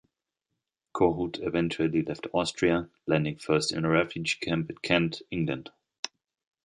Kohut eventually left Austria, landing first in a refugee camp in Kent, England.